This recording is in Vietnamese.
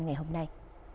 ngày hôm nay